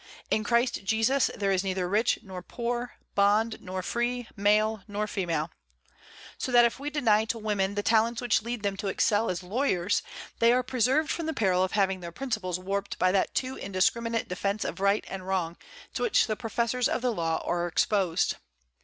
'In Christ Jesus there is neither rich nor poor, bond nor free, male nor female,' So that if we deny to women the talents which lead them to excel as lawyers, they are preserved from the peril of having their principles warped by that too indiscriminate defence of right and wrong to which the professors of the law are exposed.